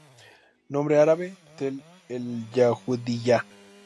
Nombre árabe: Tell el-Yahudiya.